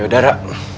ya udah ra